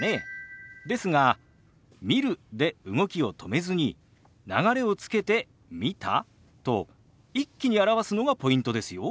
ですが「見る」で動きを止めずに流れをつけて「見た？」と一気に表すのがポイントですよ。